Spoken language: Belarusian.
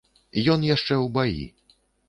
Ён яшчэ ў баі.